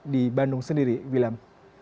di bandung sendiri wilam